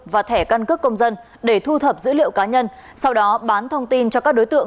và thẻ căn cước công dân để thu thập dữ liệu cá nhân sau đó bán thông tin cho các đối tượng